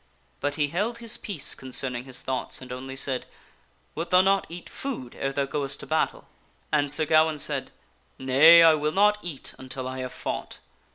But he held his peace concerning his thoughts and only said, " Wilt thou not eat food ere thou goest to battle ?" And Sir Gawaine said, " Nay, I will not eat until I have fought.